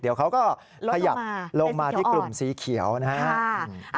เดี๋ยวเขาก็ขยับลงมาที่กลุ่มสีเขียวนะครับ